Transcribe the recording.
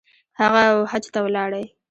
هغه ، وحج ته ولاړی